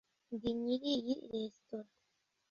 ndi nyiri iyi resitora